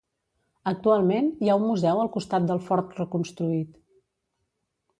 Actualment, hi ha un museu al costat del fort reconstruït.